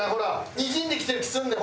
にじんできてる気ぃするねん。